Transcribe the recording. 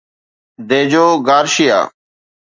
ديجو Garcia